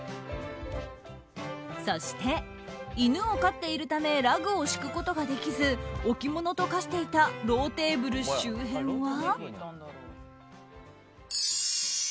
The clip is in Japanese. そして、犬を飼っているためラグを敷くことができず置き物と化していたローテーブル周辺は。